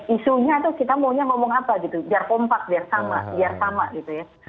isunya itu kita maunya ngomong apa gitu biar kompak biar sama gitu ya